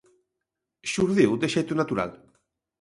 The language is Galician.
Xurdiu de xeito natural.